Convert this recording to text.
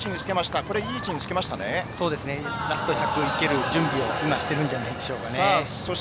ラスト１００ｍの準備をしているんじゃないでしょうか。